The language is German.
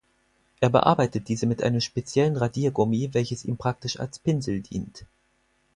Er bearbeitet diese mit einem speziellen Radiergummi, welches ihm praktisch als Pinsel dient.